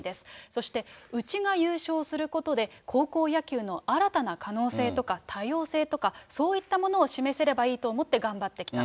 そして、うちが優勝することで、高校野球の新たな可能性とか多様性とか、そういったものを示せればいいと思って頑張ってきた。